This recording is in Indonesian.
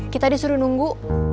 kita disuruh nunggu